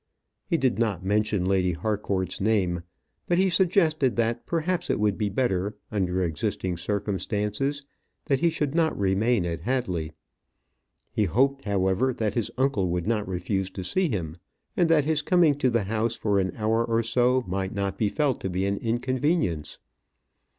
He did not mention Lady Harcourt's name; but he suggested that perhaps it would be better, under existing circumstances, that he should not remain at Hadley. He hoped, however, that his uncle would not refuse to see him, and that his coming to the house for an hour or so might not be felt to be an inconvenience.